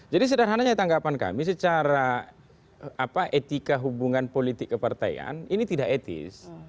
jadi sederhananya tanggapan kami secara etika hubungan politik ke partaian ini tidak etis